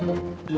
sampai jumpa lagi